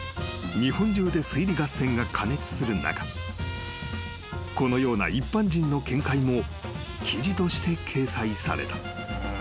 ［日本中で推理合戦が過熱する中このような一般人の見解も記事として掲載された］